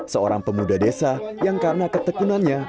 seorang pemuda desa yang karena ketekunannya